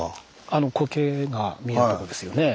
あのコケが見えるとこですよね。